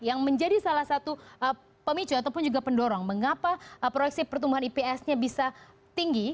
yang menjadi salah satu pemicu ataupun juga pendorong mengapa proyeksi pertumbuhan ips nya bisa tinggi